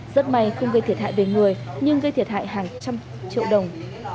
rất may không gây thiệt hại về người nhưng gây thiệt hại hàng trăm triệu đồng